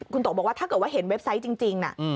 คุณโตบอกว่าถ้าเกิดว่าเห็นเว็บไซต์จริง